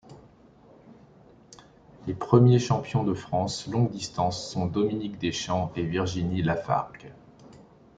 Les premiers champions de France longue distance sont Dominique Deschamps et Virginie Lafargue.